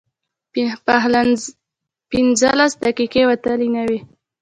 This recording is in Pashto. پينځلس دقيقې وتلې نه وې.